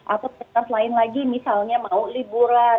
atau prioritas lain lagi misalnya mau liburan